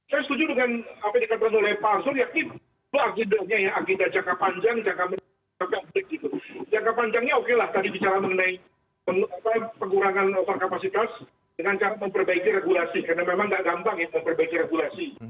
saya setuju dengan apa yang dikatakan oleh pak ansur